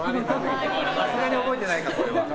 さすがに覚えてないか、これは。